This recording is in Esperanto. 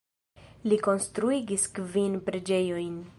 Li konstruigis kvin preĝejojn.